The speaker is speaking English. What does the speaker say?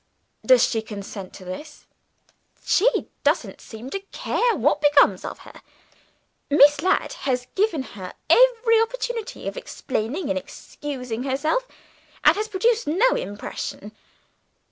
"Does she consent to this?" "She doesn't seem to care what becomes of her. Miss Ladd has given her every opportunity of explaining and excusing herself, and has produced no impression.